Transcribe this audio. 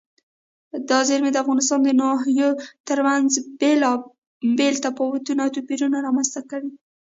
دا زیرمې د افغانستان د ناحیو ترمنځ بېلابېل تفاوتونه او توپیرونه رامنځ ته کوي.